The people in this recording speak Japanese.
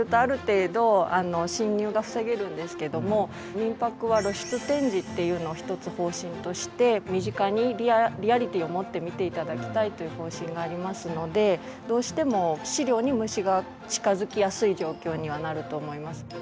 「みんぱく」は露出展示っていうのを一つ方針として身近にリアリティーをもって見て頂きたいという方針がありますのでどうしても資料に虫が近づきやすい状況にはなると思います。